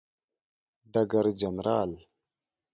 ډګر جنرال